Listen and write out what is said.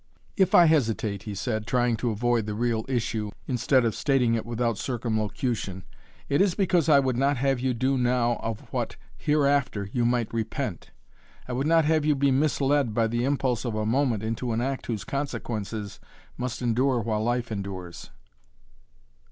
"If I hesitate," he said, trying to avoid the real issue, instead of stating it without circumlocution, "it is because I would not have you do now of what, hereafter, you might repent. I would not have you be misled by the impulse of a moment into an act whose consequences must endure while life endures."